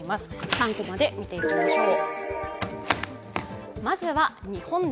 ３コマで見ていきましょう。